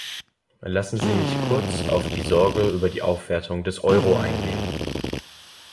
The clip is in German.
Lassen Sie mich kurz auf die Sorge über die Aufwertung des Euro eingehen.